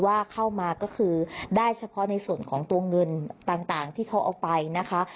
ว่าเข้ามาก็คือได้เฉพาะในส่วนของตัวเงินต่างที่เขาเอาไปนะคะ